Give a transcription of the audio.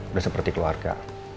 udah seperti keluarga